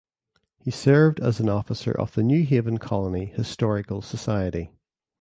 He served as an officer of the New Haven Colony Historical Society.